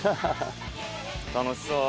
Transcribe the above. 楽しそう。